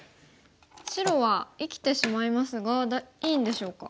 白は生きてしまいますがいいんでしょうか？